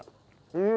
うん。